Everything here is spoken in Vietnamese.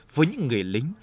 với những người lính